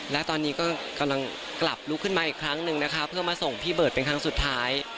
และตอนนี้ก็กำลังกลับลุกขึ้นมาอีกครั้งหนึ่งนะคะเพื่อมาส่งพี่เบิร์ตเป็นครั้งสุดท้าย